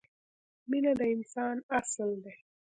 مینه د انسان اصل دی.